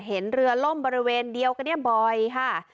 เห็นเรือล่มบริเวณเดียวกันเนี่ยบ่อยค่ะ